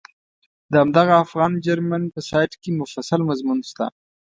د همدغه افغان جرمن په سایټ کې مفصل مضمون شته.